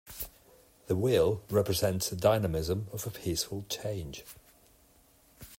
The wheel represents the dynamism of a peaceful change.